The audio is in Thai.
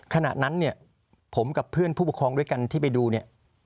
ขณะนั้นเนี่ยผมกับเพื่อนผู้ปกครองด้วยกันที่ไปดูเนี่ย